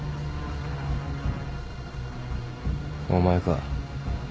お前か。